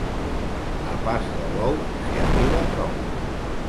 A pas de bou, s'hi arriba prou.